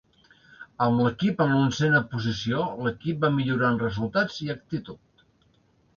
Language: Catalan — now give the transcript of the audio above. Amb l'equip en l'onzena posició, l'equip va millorar en resultats i actitud.